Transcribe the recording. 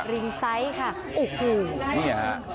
รินไซค่ะโอ้โห